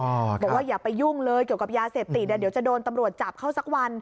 บอกว่าอย่าไปยุ่งเลยเกี่ยวกับยาเสพติดเดี๋ยวจะโดนตำรวจจับเข้าสักวัน